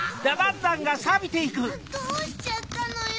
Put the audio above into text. どうしちゃったのよ。